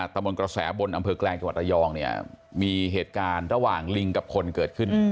ตะมนต์กระแสบนอำเภอแกลงจังหวัดระยองเนี่ยมีเหตุการณ์ระหว่างลิงกับคนเกิดขึ้น